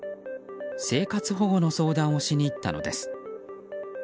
生活保護の相談をしに行ったのです。